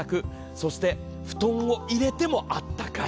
そして布団を入れてもあったかい。